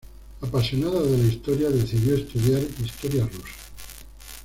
Apasionada de la historia decidió estudiar Historia Rusa.